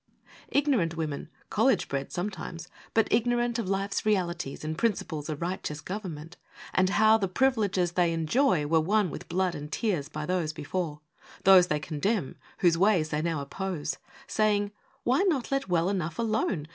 Ignorant women college bred sometimes, But ignorant of life's realities And principles of righteous government, And how the privileges they enjoy Were won with blood and tears by those before Those they condemn, whose ways they now oppose; Saying, "Why not let well enough alone?